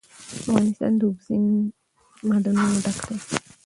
افغانستان له اوبزین معدنونه ډک دی.